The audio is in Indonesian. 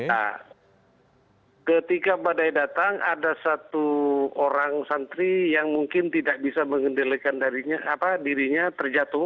nah ketika badai datang ada satu orang santri yang mungkin tidak bisa mengendalikan dirinya terjatuh